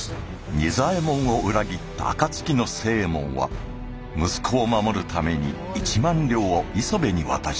仁左衛門を裏切った暁の星右衛門は息子を守るために１万両を磯部に渡した。